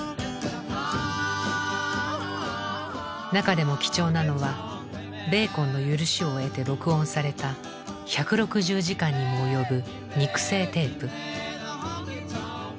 中でも貴重なのはベーコンの許しを得て録音された１６０時間にも及ぶ肉声テープ。